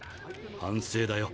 反省だよ。